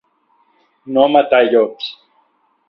No matar llops.